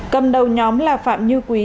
cầm đầu nhóm là phạm như quý